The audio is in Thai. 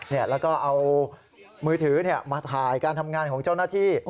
แล้วก็เอามือถือมาถ่ายการทำงานของเจ้าหน้าที่